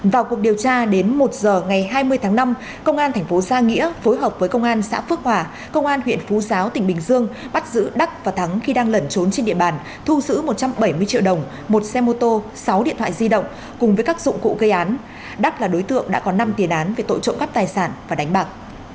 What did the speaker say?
vào cuộc điều tra đến một giờ ngày hai mươi tháng năm công an thành phố gia nghĩa phối hợp với công an xã phước hòa công an huyện phú giáo tỉnh bình dương bắt giữ đắc và thắng khi đang lẩn trốn trên địa bàn thu giữ một trăm bảy mươi triệu đồng một xe mô tô sáu điện thoại di động cùng với các dụng cụ gây án đắc là đối tượng đã có năm tiền án về tội trộm cắp tài sản và đánh bạc